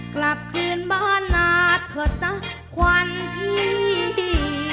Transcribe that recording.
กลับเคลื่อนเบาหนาเถอะตะวานพี่